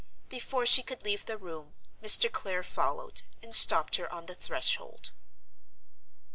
Before she could leave the room, Mr. Clare followed, and stopped her on the threshold.